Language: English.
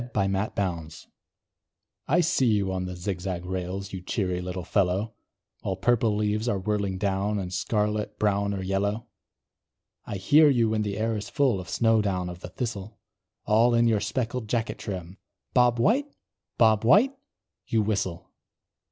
BOB WHITE I see you on the zig zag rails, You cheery little fellow! While purple leaves are whirling down, And scarlet, brown or yellow. I hear you when the air is full Of snow down of the thistle; All in your speckled jacket trim, "Bob White! Bob White!" you whistle.